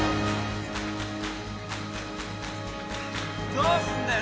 どうすんだよ